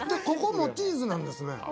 ここもチーズですね